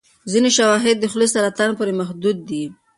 ځینې شواهد د خولې سرطان پورې محدود دي.